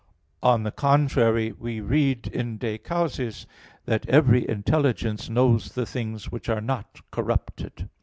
On the contrary, We read in De Causis that "every intelligence knows the things which are not corrupted."